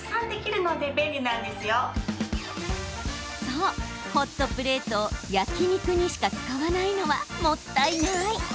そう、ホットプレートを焼き肉にしか使わないのはもったいない。